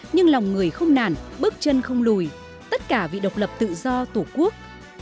nhưng lòng người không nản bước chân không lùi tất cả vì độc lập tự do tổ quốc